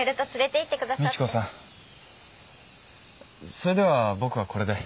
それでは僕はこれで。